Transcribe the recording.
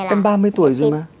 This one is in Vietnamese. em ba mươi tuổi rồi mà